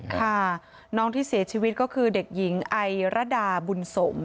ค่ะน้องที่เสียชีวิตก็คือเด็กหญิงไอรดาบุญสม